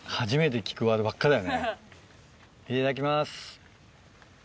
いただきます。